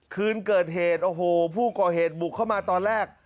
คืนเกิดเหตุโอ้โหผู้ก่อเหตุบุกเข้ามาตอนแรก